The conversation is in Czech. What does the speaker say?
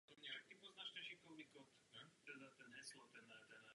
Některý zdroj uvádí odolnost proti nízkým teplotám.